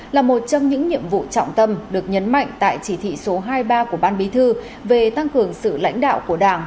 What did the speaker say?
là một trong những nhiệm vụ trọng tâm được nhấn mạnh tại chỉ thị số hai mươi ba của ban bí thư về tăng cường sự lãnh đạo của đảng